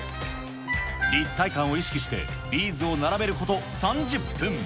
立体感を意識して、ビーズを並べること３０分。